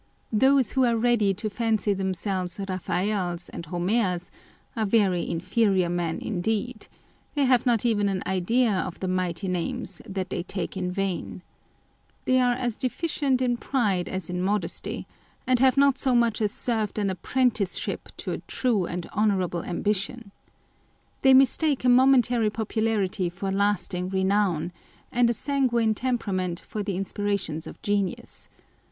Those who are ready to fancy themselves Raphaels and Homers are very inferior men indeed â€" they have not even an idea of the mighty names that " they take in vain." They t bb deficient in pride as in modesty, and have not so much 1 Alexander Pope, .Esquire. â€" En. 172 â€¢ Genius and its Powers. as served an apprenticeship to a true and honourable am bition. They mistake a momentary popularity for lasting renown, and a sanguine temperament for the inspirations of genius.